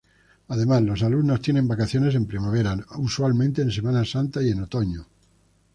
Además, los alumnos tienen vacaciones en primavera, usualmente en Semana Santa y en otoño.